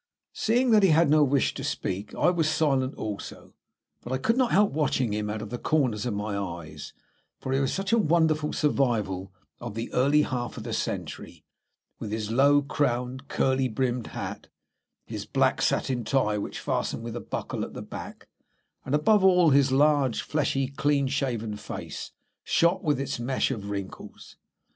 Seeing that he had no wish to speak I was silent also, but I could not help watching him out of the corners of my eyes, for he was such a wonderful survival of the early half of the century, with his low crowned, curly brimmed hat, his black satin tie which fastened with a buckle at the back, and, above all, his large, fleshy, clean shaven face shot with its mesh of wrinkles.